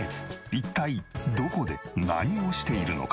一体どこで何をしているのか？